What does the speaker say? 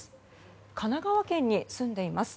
神奈川県に住んでいます。